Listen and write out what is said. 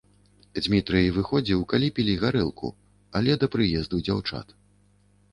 Дзмітрый выходзіў, калі пілі гарэлку, але да прыезду дзяўчат.